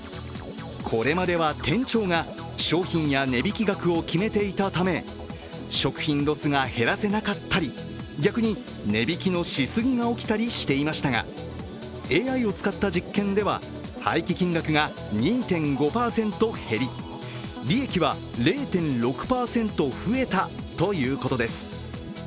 これまでは店長が商品や値引き額を決めていたため食品ロスが減らせなかったり、逆に値引きのしすぎが起きたりしていましたがＡＩを使った実験では、廃棄金額が２．５％減り、利益は０．６％増えたということです